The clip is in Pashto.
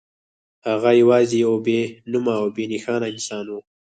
هغه یوازې یو بې نومه او بې نښانه انسان و